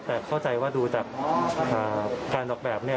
แต่เข้าใจว่าดูจากการออกแบบเนี่ย